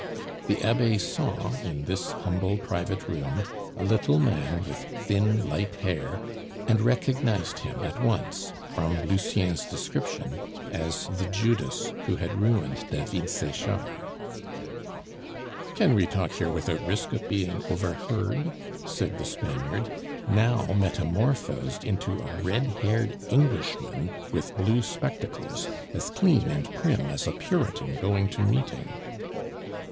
The Abbe saw in this humble private room a little man with thin, light hair; and recognized him at once, from Lucien's description, as the Judas who had ruined David Sechard. "Can we talk here without risk of being overheard?" said the Spaniard, now metamorphosed into a red haired Englishman with blue spectacles, as clean and prim as a Puritan going to meeting.